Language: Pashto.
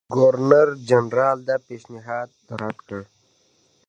ګورنرجنرال دا پېشنهاد رد کړ.